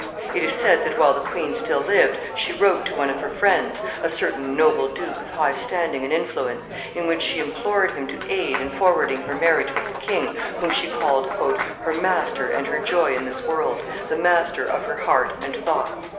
It is said that while the queen still lived she wrote to one of her friends a certain noble duke of high standing and influence in which she implored him to aid in forwarding her marriage with the king, whom she called "her master and her joy in this world the master of her heart and thoughts."